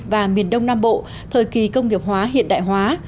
và miền đông nam bộ thời kỳ công nghiệp hóa hiện đại hóa